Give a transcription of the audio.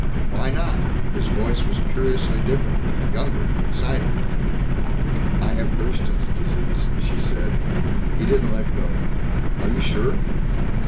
"Why not?" His voice was curiously different. Younger, excited. "I have Thurston's Disease," she said. He didn't let go. "Are you sure?"